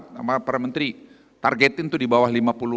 sama para menteri targetin itu di bawah lima puluh